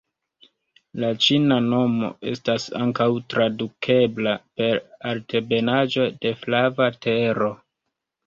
La ĉina nomo estas ankaŭ tradukebla per "Altebenaĵo de Flava Tero".